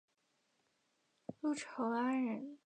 陆朝安人。